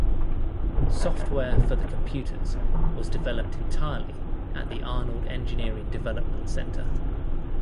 Software for the computers was developed entirely at the Arnold Engineering Development center.